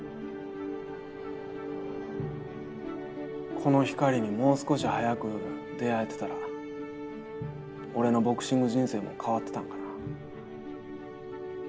この光にもう少し早く出会えてたら俺のボクシング人生も変わってたんかな。